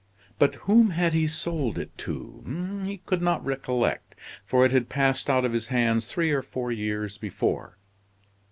But whom had he sold it to? He could not recollect, for it had passed out of his hands three or four years before.